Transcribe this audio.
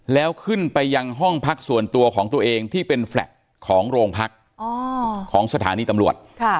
แล้วขึ้นไปยังห้องพักส่วนตัวของตัวเองที่เป็นแฟลต์ของโรงพักของสถานีตำรวจ